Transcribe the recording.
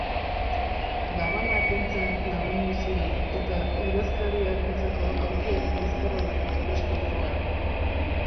Gabana kentzen lagundu zion, eta idazkariarentzako aulkiaren bizkarraldean tolestu zuen.